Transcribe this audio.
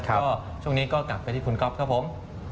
ก็ช่วงนี้ก็กลับไปที่คุณก๊อฟครับผม